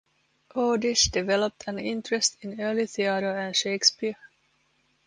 Ordish developed an interest in early theatre and Shakespeare.